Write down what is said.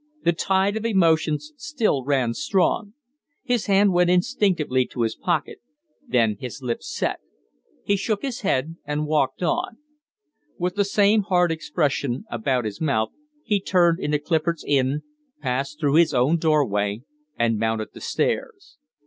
The tide of emotions still ran strong. His hand went instinctively to his pocket; then his lips set. He shook his head and walked on. With the same hard expression about his mouth, he turned into Clifford's Inn, passed through his own doorway, and mounted the stairs.